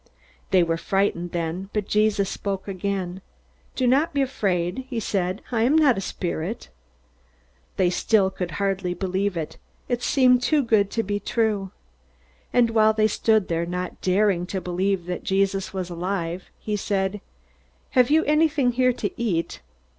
They were frightened then, but Jesus spoke again. "Do not be afraid," he said. "I am not a spirit." They still could hardly believe it. It seemed too good to be true. And while they stood there, not daring to believe that Jesus was alive, he said, "Have you anything here to eat?"